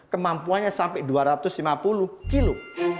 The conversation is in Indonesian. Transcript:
kemampuannya sampai dua ratus lima puluh kilo